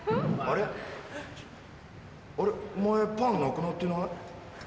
あれお前パンなくなってない？